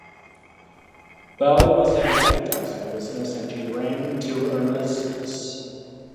Bell was in advertising business and he ran into Irna's niece.